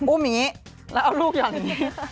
อู้มยิแล้วเอาลูกอย่างนี้